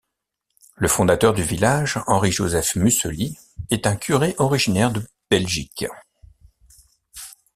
Le fondateur du village, Henri-Joseph Mussely, est un curé originaire de Belgique.